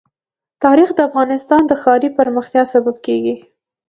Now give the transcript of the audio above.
تاریخ د افغانستان د ښاري پراختیا سبب کېږي.